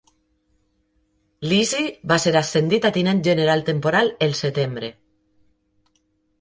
Leese va ser ascendit a tinent general temporal el setembre.